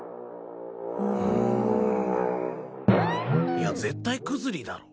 いや絶対クズリだろ。